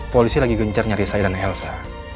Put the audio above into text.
polisi lagi gencar nyari saya dan elsa